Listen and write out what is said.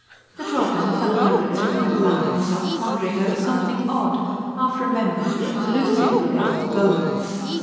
that Robin for the hundredth time found himself pondering over something odd, half remembered, elusive about the girl.